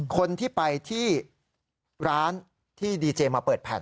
คนที่ไปที่ร้านที่ดีเจมาเปิดแผ่น